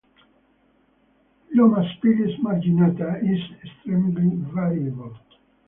"Lomaspilis marginata" is "Extremely variable.